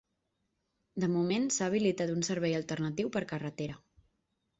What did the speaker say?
De moment s’ha habilitat un servei alternatiu per carretera.